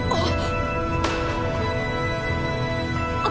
あっ。